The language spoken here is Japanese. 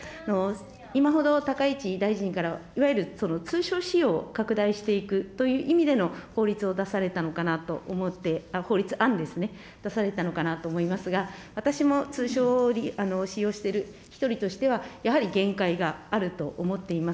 今ほど高市大臣から、いわゆる通称使用を拡大していくという意味での法律を出されたのかなと思って、法律案ですね、出されたのかなと思いますが、私も通称を使用している一人としては、やはり限界があると思っています。